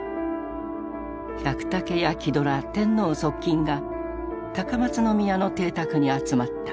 百武や木戸ら天皇側近が高松宮の邸宅に集まった。